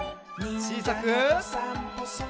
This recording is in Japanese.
ちいさく。